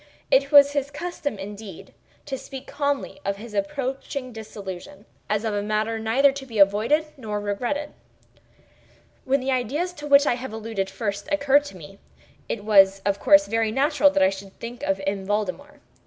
It was his custom, indeed, to speak calmly of his approaching dissolution, as of a matter neither to be avoided nor regretted. When the ideas to which I have alluded first occurred to me, it was of course very natural that I should think of M. Valdemar.